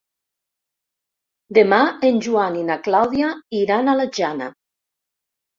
Demà en Joan i na Clàudia iran a la Jana.